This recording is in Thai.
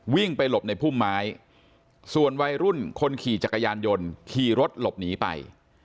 วิ่งไปหลบในพุ่มไม้ส่วนวัยรุ่นคนขี่จักรยานยนต์ขี่รถหลบหนีไป